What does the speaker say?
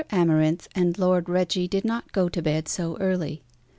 Amarinth and Lord Reggie did not go to bed so early.